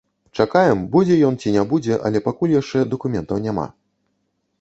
Чакаем, будзе ён ці не будзе, але пакуль яшчэ дакументаў няма.